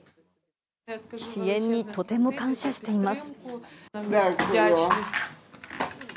支援にとても感謝しています。